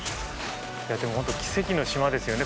でも、本当に奇跡の島ですよね